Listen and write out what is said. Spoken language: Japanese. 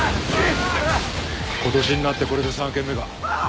今年になってこれで３軒目か。